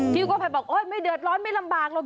กู้ภัยบอกโอ๊ยไม่เดือดร้อนไม่ลำบากหรอก